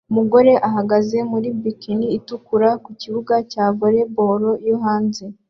Umugore uhagaze muri bikini itukura ku kibuga cya volley ball yo hanze